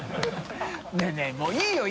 もういいよ！